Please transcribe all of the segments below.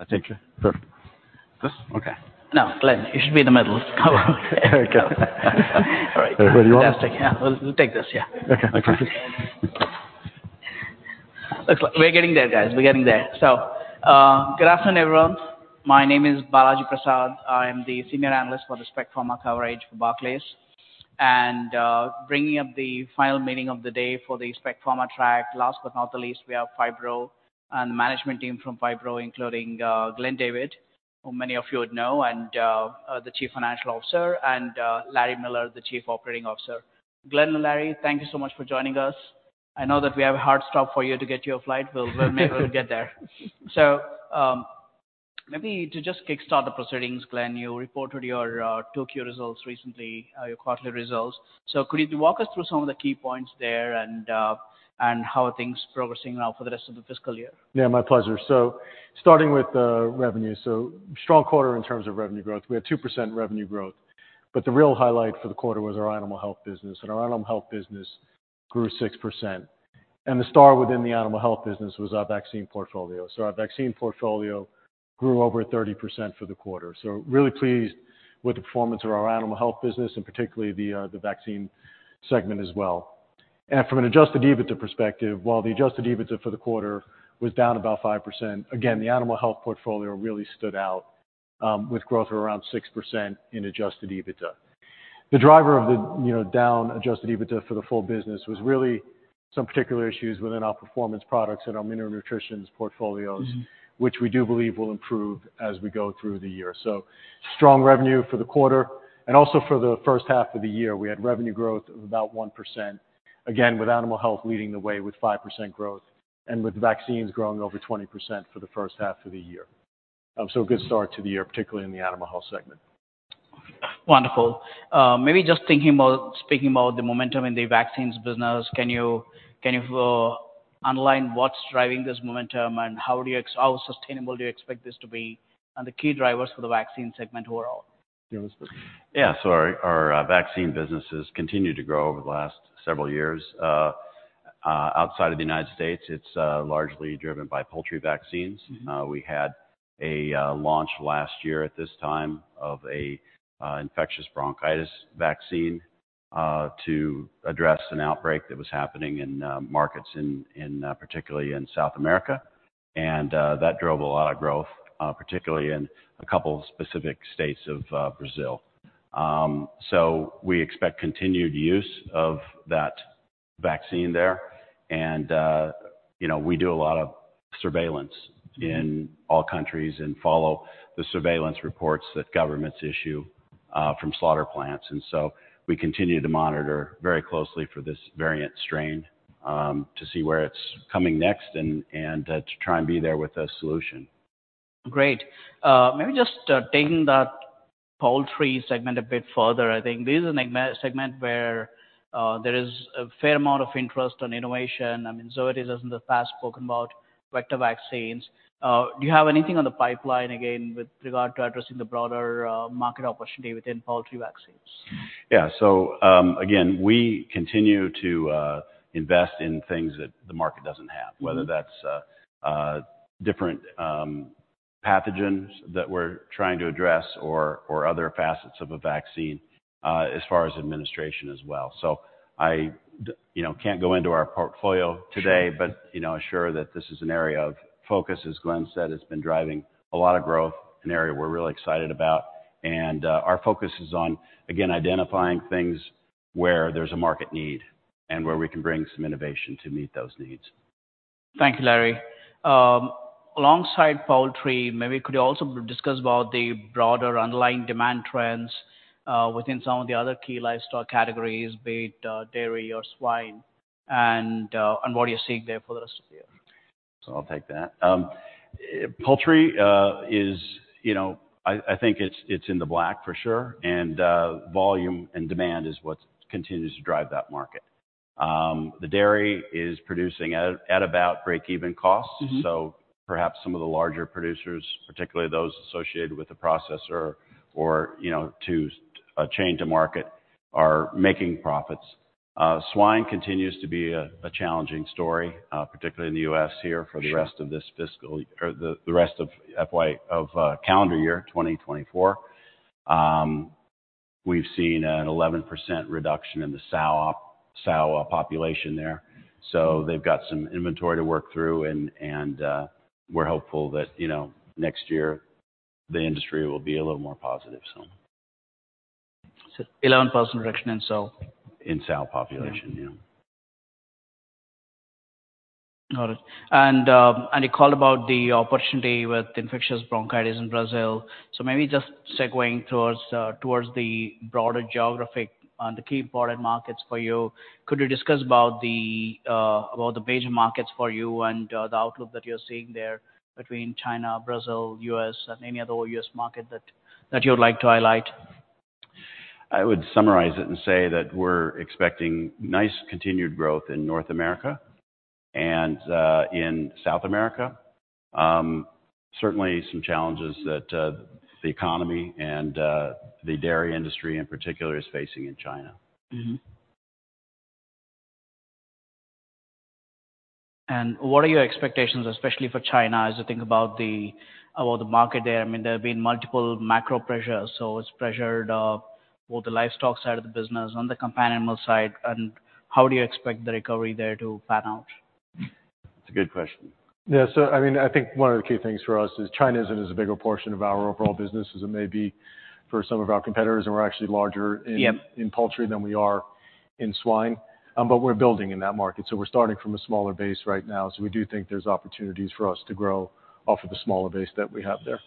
I think. Sure. This? Okay. No, Glenn, you should be in the middle. Come over here. Okay. All right. Where do you want it? Fantastic. Yeah, we'll take this, yeah. Okay, thank you. Looks like we're getting there, guys. We're getting there. Good afternoon, everyone. My name is Balaji Prasad. I am the senior analyst for the Spec Pharma coverage for Barclays. Bringing up the final meeting of the day for the Spec Pharma track, last but not the least, we have Phibro and the management team from Phibro, including Glenn David, who many of you would know, the Chief Financial Officer, and Larry Miller, the Chief Operating Officer. Glenn and Larry, thank you so much for joining us. I know that we have a hard stop for you to get to your flight. We'll make sure we get there. Maybe to just kickstart the proceedings, Glenn, you reported your 2Q results recently, your quarterly results. Could you walk us through some of the key points there and how things are progressing now for the rest of the fiscal year? Yeah, my pleasure. So, starting with revenue, so strong quarter in terms of revenue growth. We had 2% revenue growth. But the real highlight for the quarter was our Animal Health business. And our Animal Health business grew 6%. And the star within the Animal Health business was our vaccine portfolio. So our vaccine portfolio grew over 30% for the quarter. So really pleased with the performance of our Animal Health business, and particularly the vaccine segment as well. And from an Adjusted EBITDA perspective, while the Adjusted EBITDA for the quarter was down about 5%, again, the Animal Health portfolio really stood out, with growth of around 6% in Adjusted EBITDA. The driver of the, you know, down Adjusted EBITDA for the full business was really some particular issues within Performance Products and our Mineral Nutrition portfolios. Mm-hmm. Which we do believe will improve as we go through the year. So strong revenue for the quarter. And also for the first half of the year, we had revenue growth of about 1%, again, with Animal Health leading the way with 5% growth and with vaccines growing over 20% for the first half of the year. So a good start to the year, particularly in the Animal Health segment. Wonderful. Maybe just thinking about speaking about the momentum in the vaccines business, can you underline what's driving this momentum and how sustainable do you expect this to be and the key drivers for the vaccine segment overall? Yeah, let's begin. Yeah, so our vaccine business has continued to grow over the last several years. Outside of the United States, it's largely driven by poultry vaccines. Mm-hmm. We had a launch last year at this time of an infectious bronchitis vaccine to address an outbreak that was happening in markets, particularly in South America. And that drove a lot of growth, particularly in a couple of specific states of Brazil. So we expect continued use of that vaccine there. And you know, we do a lot of surveillance. Mm-hmm. In all countries and follow the surveillance reports that governments issue, from slaughter plants. And so we continue to monitor very closely for this variant strain, to see where it's coming next and to try and be there with a solution. Great. Maybe just, taking that poultry segment a bit further. I think this is an emerging segment where, there is a fair amount of interest in innovation. I mean, Zoetis has in the past spoken about vector vaccines. Do you have anything on the pipeline, again, with regard to addressing the broader market opportunity within poultry vaccines? Yeah, so, again, we continue to invest in things that the market doesn't have. Mm-hmm. Whether that's different pathogens that we're trying to address or other facets of a vaccine, as far as administration as well. So I do, you know, can't go into our portfolio today. Mm-hmm. But, you know, assure that this is an area of focus, as Glenn said. It's been driving a lot of growth, an area we're really excited about. Our focus is on, again, identifying things where there's a market need and where we can bring some innovation to meet those needs. Thank you, Larry. Alongside poultry, maybe could you also discuss about the broader underlying demand trends, within some of the other key livestock categories, be it dairy or swine, and what you're seeing there for the rest of the year? So I'll take that. Poultry is, you know, I think it's in the black for sure. Volume and demand is what continues to drive that market. The dairy is producing at about break-even costs. Mm-hmm. So perhaps some of the larger producers, particularly those associated with the processor or, you know, to, chain to market, are making profits. Swine continues to be a challenging story, particularly in the U.S. here for the rest of this fiscal year or the rest of FY, calendar year 2024. We've seen an 11% reduction in the sow population there. So they've got some inventory to work through. And we're hopeful that, you know, next year, the industry will be a little more positive, so. So 11% reduction in sow? In sow population, yeah. Mm-hmm. Got it. And you called about the opportunity with infectious bronchitis in Brazil. So maybe just segueing towards the broader geographic and the key important markets for you, could you discuss about the major markets for you and the outlook that you're seeing there between China, Brazil, U.S., and any other U.S. market that you would like to highlight? I would summarize it and say that we're expecting nice continued growth in North America and in South America. Certainly some challenges that the economy and the dairy industry in particular is facing in China. Mm-hmm. And what are your expectations, especially for China, as you think about the market there? I mean, there have been multiple macro pressures. So it's pressured, both the livestock side of the business and the companion animal side. And how do you expect the recovery there to pan out? That's a good question. Yeah, so I mean, I think one of the key things for us is China isn't as big a portion of our overall business as it may be for some of our competitors. And we're actually larger in. Yep. In poultry than we are in swine. But we're building in that market. So we're starting from a smaller base right now. So we do think there's opportunities for us to grow off of the smaller base that we have there.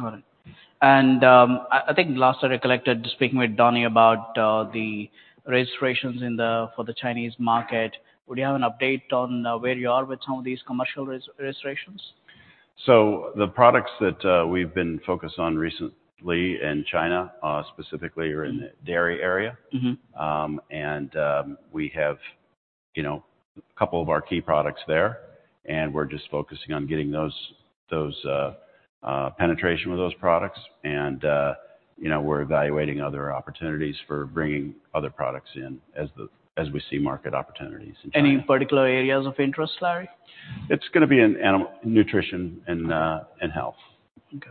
Got it. I think last I recollected, speaking with Donnie about the registrations in the for the Chinese market, would you have an update on where you are with some of these commercial re-registrations? The products that we've been focused on recently in China, specifically, are in the dairy area. Mm-hmm. We have, you know, a couple of our key products there. And we're just focusing on getting those penetration with those products. And, you know, we're evaluating other opportunities for bringing other products in as we see market opportunities in China. Any particular areas of interest, Larry? It's gonna be in animal nutrition and health. Okay.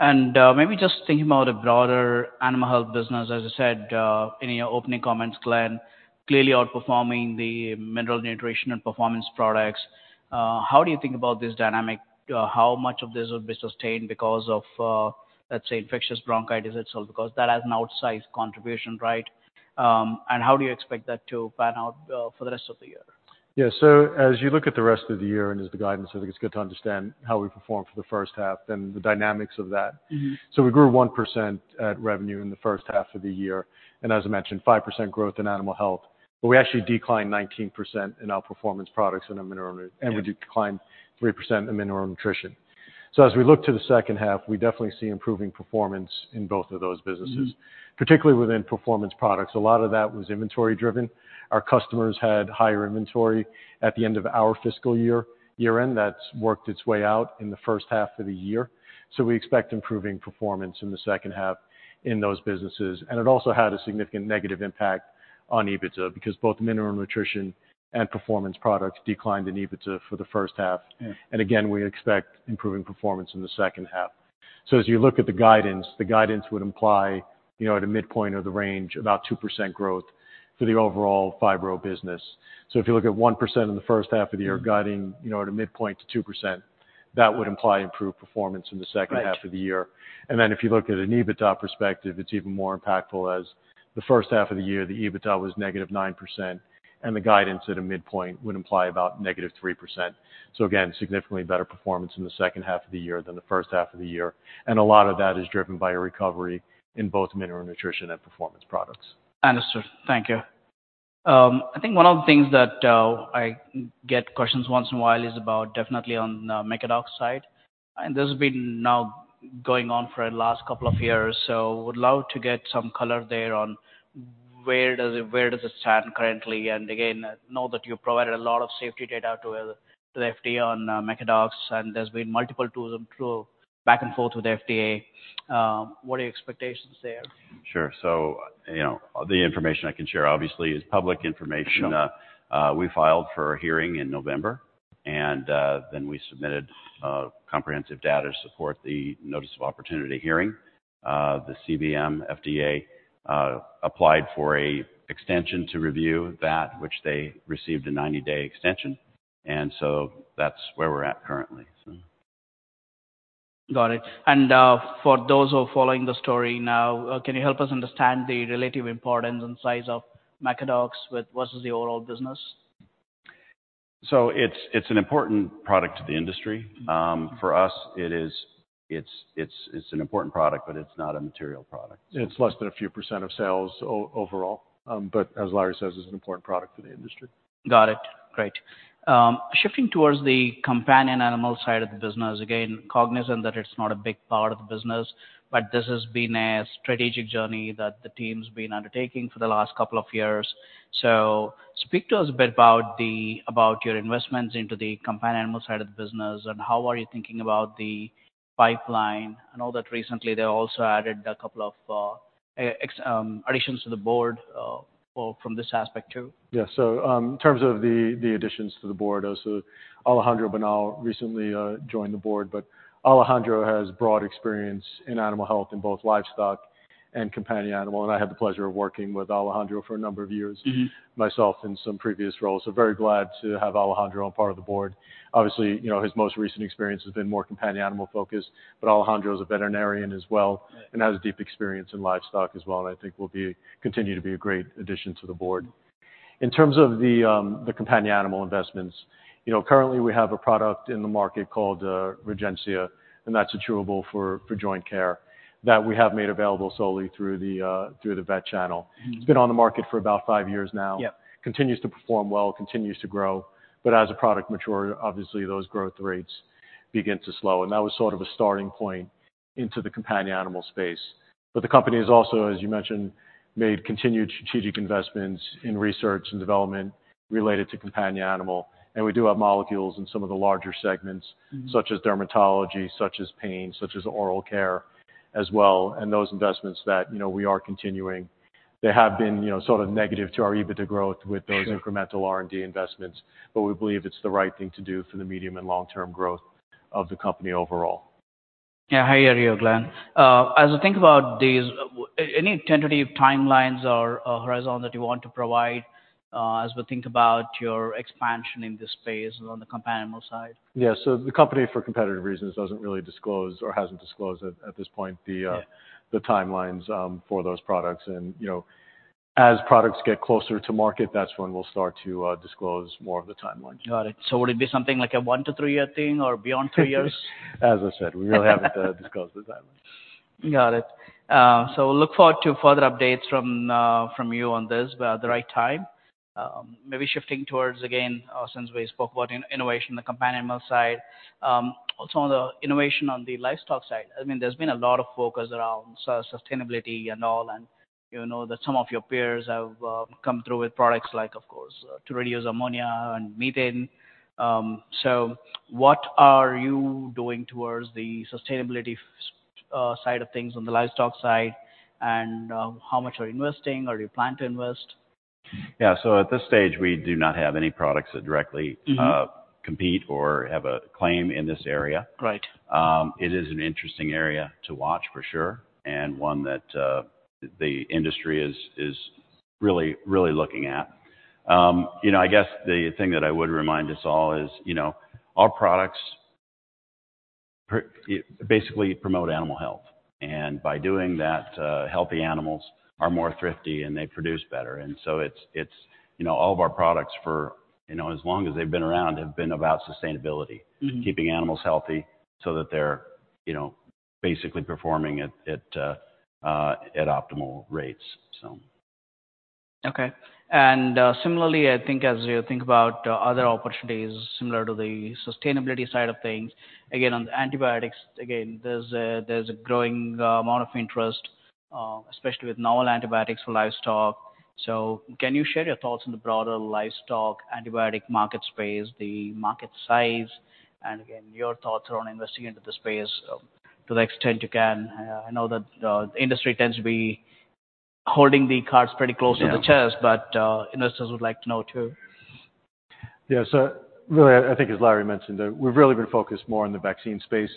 And, maybe just thinking about a broader Animal Health business, as you said, in your opening comments, Glenn, clearly outperforming the Mineral Nutrition and Performance Products. How do you think about this dynamic? How much of this would be sustained because of, let's say, infectious bronchitis itself? Because that has an outsized contribution, right? And how do you expect that to pan out for the rest of the year? Yeah, so as you look at the rest of the year and as the guidance, I think it's good to understand how we performed for the first half and the dynamics of that. Mm-hmm. We grew 1% at revenue in the first half of the year. As I mentioned, 5% growth in Animal Health. We actually declined 19% in our Performance Products and in Mineral Nutrition. Mm-hmm. We declined 3% in Mineral Nutrition. As we look to the second half, we definitely see improving performance in both of those businesses. Mm-hmm. Particularly within Performance Products, a lot of that was inventory-driven. Our customers had higher inventory at the end of our fiscal year, year-end. That's worked its way out in the first half of the year. So we expect improving performance in the second half in those businesses. And it also had a significant negative impact on EBITDA because both Mineral Nutrition and Performance Products declined in EBITDA for the first half. Yeah. And again, we expect improving performance in the second half. So as you look at the guidance, the guidance would imply, you know, at a midpoint of the range, about 2% growth for the overall Phibro business. So if you look at 1% in the first half of the year, guiding, you know, at a midpoint to 2%, that would imply improved performance in the second half of the year. Right. Then, if you look at an EBITDA perspective, it's even more impactful, as the first half of the year, the EBITDA was -9%. The guidance at a midpoint would imply about -3%. Again, significantly better performance in the second half of the year than the first half of the year. A lot of that is driven by a recovery in both Mineral Nutrition and Performance Products. Understood. Thank you. I think one of the things that, I get questions once in a while is about definitely on the Mecadox side. And this has been now going on for the last couple of years. So would love to get some color there on where does it where does it stand currently? And again, I know that you provided a lot of safety data to the to the FDA on Mecadox. And there's been multiple tools and through back and forth with the FDA. What are your expectations there? Sure. So, you know, the information I can share, obviously, is public information. Sure. We filed for a hearing in November. Then we submitted comprehensive data to support the notice of opportunity hearing. The CVM FDA applied for an extension to review that, which they received a 90-day extension. So that's where we're at currently, so. Got it. And, for those who are following the story now, can you help us understand the relative importance and size of Mecadox versus the overall business? It's an important product to the industry. Mm-hmm. For us, it is. It's an important product, but it's not a material product. It's less than a few % of sales overall. But as Larry says, it's an important product to the industry. Got it. Great. Shifting towards the companion animal side of the business, again, cognizant that it's not a big part of the business, but this has been a strategic journey that the team's been undertaking for the last couple of years. So speak to us a bit about your investments into the companion animal side of the business and how are you thinking about the pipeline. I know that recently, they also added a couple of additions to the board, from this aspect too. Yeah, so, in terms of the additions to the board, Alejandro Bernal recently joined the board. But Alejandro has broad experience in Animal Health in both livestock and companion animal. And I had the pleasure of working with Alejandro for a number of years. Mm-hmm. Myself in some previous roles. So very glad to have Alejandro on part of the board. Obviously, you know, his most recent experience has been more companion animal focused. But Alejandro's a veterinarian as well. Right. has deep experience in livestock as well. I think will continue to be a great addition to the board. Mm-hmm. In terms of the companion animal investments, you know, currently, we have a product in the market called Regener-Eyes. And that's a chewable for joint care that we have made available solely through the vet channel. Mm-hmm. It's been on the market for about five years now. Yep. Continues to perform well, continues to grow. But as a product matures, obviously, those growth rates begin to slow. And that was sort of a starting point into the companion animal space. But the company has also, as you mentioned, made continued strategic investments in research and development related to companion animal. And we do have molecules in some of the larger segments. Mm-hmm. Such as dermatology, such as pain, such as oral care as well. And those investments that, you know, we are continuing, they have been, you know, sort of negative to our EBITDA growth with those. Mm-hmm. Incremental R&D investments. But we believe it's the right thing to do for the medium and long-term growth of the company overall. Yeah, how are you, Glenn? As we think about these, with any tentative timelines or horizon that you want to provide, as we think about your expansion in this space and on the companion animal side? Yeah, so the company, for competitive reasons, doesn't really disclose or hasn't disclosed at this point the, Yeah. The timelines for those products. You know, as products get closer to market, that's when we'll start to disclose more of the timelines. Got it. So would it be something like a 1-3-year thing or beyond 3 years? As I said, we really haven't disclosed the timelines. Got it. So we'll look forward to further updates from you on this by the right time. Maybe shifting towards, again, since we spoke about innovation on the companion animal side, also on the innovation on the livestock side. I mean, there's been a lot of focus around sustainability and all. And you know that some of your peers have come through with products like, of course, to reduce ammonia and methane. So what are you doing towards the sustainability efforts side of things on the livestock side? And how much are you investing? Are you planning to invest? Yeah, so at this stage, we do not have any products that directly. Mm-hmm. compete or have a claim in this area. Right. It is an interesting area to watch for sure and one that the industry is really looking at. You know, I guess the thing that I would remind us all is, you know, our products primarily basically promote Animal Health. And by doing that, healthy animals are more thrifty, and they produce better. And so it's you know, all of our products for, you know, as long as they've been around, have been about sustainability. Mm-hmm. Keeping animals healthy so that they're, you know, basically performing at optimal rates, so. Okay. And, similarly, I think as you think about other opportunities similar to the sustainability side of things, again, on the antibiotics, again, there's a growing amount of interest, especially with novel antibiotics for livestock. So can you share your thoughts on the broader livestock antibiotic market space, the market size, and again, your thoughts around investing into the space, to the extent you can? I know that the industry tends to be holding the cards pretty close to the chest. Yeah. But, investors would like to know too. Yeah, so really, I think, as Larry mentioned, we've really been focused more on the vaccine space,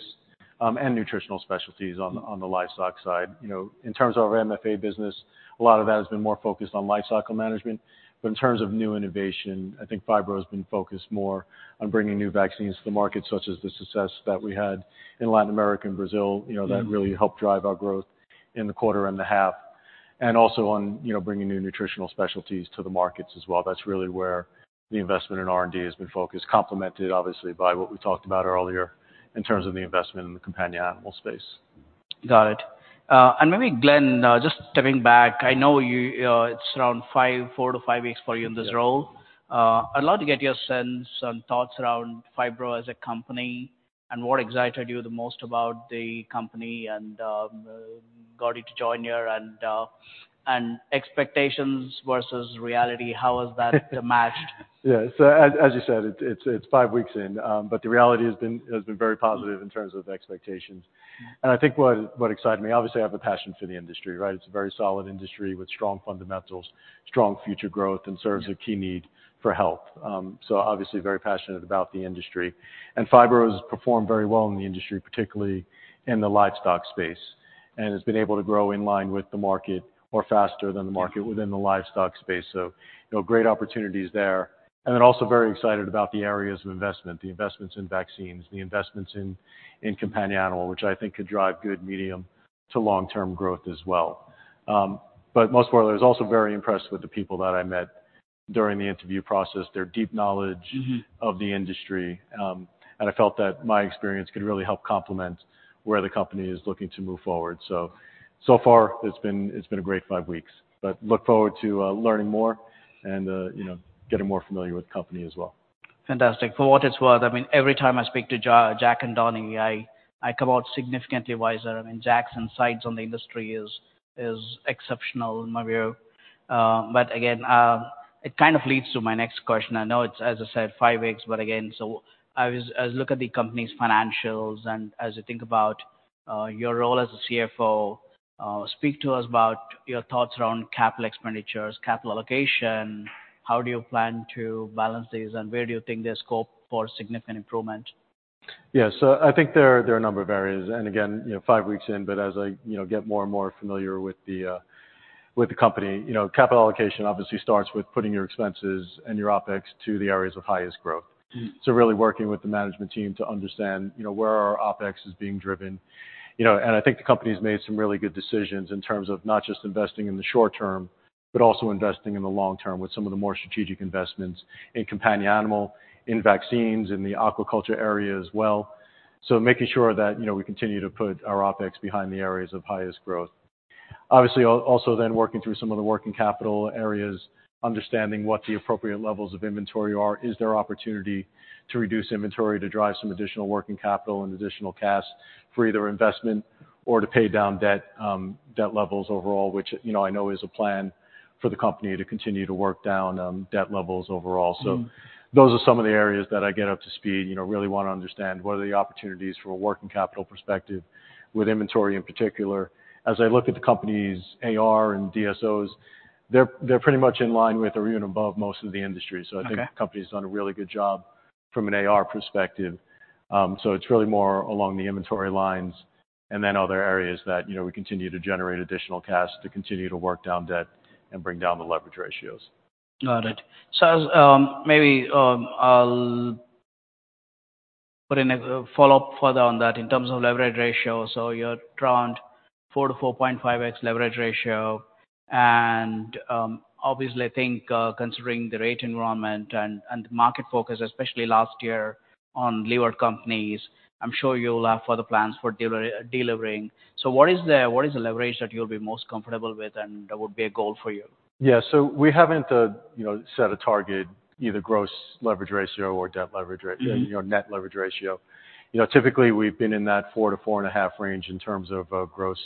and nutritional specialties on the livestock side. You know, in terms of our MFA business, a lot of that has been more focused on life cycle management. But in terms of new innovation, I think Phibro has been focused more on bringing new vaccines to the market, such as the success that we had in Latin America and Brazil, you know, that really helped drive our growth in the quarter and the half. And also on, you know, bringing new nutritional specialties to the markets as well. That's really where the investment in R&D has been focused, complemented, obviously, by what we talked about earlier in terms of the investment in the companion animal space. Got it. Maybe, Glenn, just stepping back, I know you, it's around 4-5 weeks for you in this role. I'd love to get your sense and thoughts around Phibro as a company and what excited you the most about the company and got you to join here and expectations versus reality. How has that matched? Yeah, so as you said, it's five weeks in. But the reality has been very positive in terms of expectations. Mm-hmm. And I think what, what excited me, obviously, I have a passion for the industry, right? It's a very solid industry with strong fundamentals, strong future growth, and serves a key need for health, so obviously, very passionate about the industry. And Phibro has performed very well in the industry, particularly in the livestock space. And it's been able to grow in line with the market or faster than the market within the livestock space. So, you know, great opportunities there. And then also very excited about the areas of investment, the investments in vaccines, the investments in, in companion animal, which I think could drive good medium to long-term growth as well. But most importantly, I was also very impressed with the people that I met during the interview process, their deep knowledge. Mm-hmm. Of the industry, and I felt that my experience could really help complement where the company is looking to move forward. So far, it's been a great five weeks. But look forward to learning more and, you know, getting more familiar with the company as well. Fantastic. For what it's worth, I mean, every time I speak to Jack and Donnie, I come out significantly wiser. I mean, Jack's insights on the industry is exceptional in my view. But again, it kind of leads to my next question. I know it's, as I said, five weeks. But again, so as I look at the company's financials and as you think about your role as a CFO, speak to us about your thoughts around capital expenditures, capital allocation. How do you plan to balance these? And where do you think there's scope for significant improvement? Yeah, so I think there are a number of areas. Again, you know, five weeks in. But as I, you know, get more and more familiar with the company, you know, capital allocation, obviously, starts with putting your expenses and your OpEx to the areas of highest growth. Mm-hmm. So really working with the management team to understand, you know, where our OpEx is being driven. You know, and I think the company's made some really good decisions in terms of not just investing in the short-term but also investing in the long-term with some of the more strategic investments in companion animal, in vaccines, in the aquaculture area as well. So making sure that, you know, we continue to put our OpEx behind the areas of highest growth. Obviously, also then working through some of the working capital areas, understanding what the appropriate levels of inventory are. Is there opportunity to reduce inventory to drive some additional working capital and additional cash for either investment or to pay down debt, debt levels overall, which, you know, I know is a plan for the company to continue to work down, debt levels overall. So. Mm-hmm. Those are some of the areas that I get up to speed, you know, really want to understand what are the opportunities from a working capital perspective with inventory in particular. As I look at the company's AR and DSOs, they're pretty much in line with or even above most of the industry. So I think. Okay. The company's done a really good job from an AR perspective. So it's really more along the inventory lines and then other areas that, you know, we continue to generate additional cash to continue to work down debt and bring down the leverage ratios. Got it. So, maybe, I'll put in a follow-up further on that in terms of leverage ratio. So you're around 4-4.5x leverage ratio. And, obviously, I think, considering the rate environment and the market focus, especially last year on levered companies, I'm sure you'll have further plans for delivering. So what is the leverage that you'll be most comfortable with and that would be a goal for you? Yeah, so we haven't, you know, set a target, either gross leverage ratio or debt leverage rate. Mm-hmm. You know, net leverage ratio. You know, typically, we've been in that 4-4.5 range in terms of gross,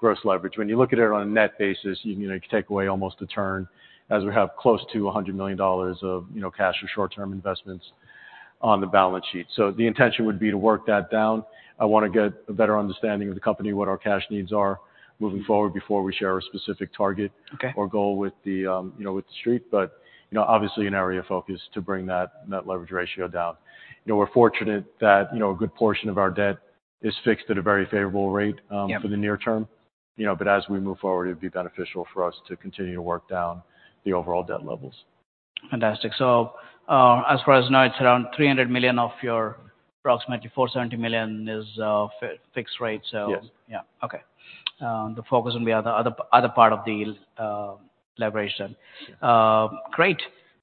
gross leverage. When you look at it on a net basis, you know, you can take away almost a turn as we have close to $100 million of cash for short-term investments on the balance sheet. So the intention would be to work that down. I want to get a better understanding of the company, what our cash needs are moving forward before we share a specific target. Okay. Our goal with the, you know, with the street. But, you know, obviously, an area of focus to bring that, that leverage ratio down. You know, we're fortunate that, you know, a good portion of our debt is fixed at a very favorable rate. Yeah. for the near-term. You know, but as we move forward, it'd be beneficial for us to continue to work down the overall debt levels. Fantastic. So, as far as I know, it's around $300 million of your approximately $470 million is fixed rate, so. Yes. Yeah, okay. The focus would be on the other part of the leverage. Yes. Great.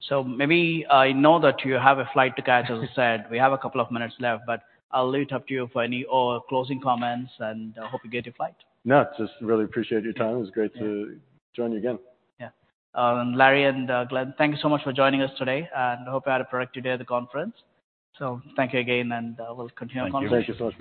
So maybe, I know that you have a flight to catch, as I said. Yeah. We have a couple of minutes left. I'll leave it up to you for any or closing comments. I hope you get your flight. No, just really appreciate your time. It was great to join you again. Yeah, and Larry and Glenn, thank you so much for joining us today. I hope you had a productive day at the conference. Thank you again. We'll continue our conversation. Thank you. Thank you.